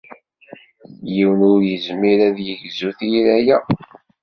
Yiwen ur yezmir ad yegzu tira-a.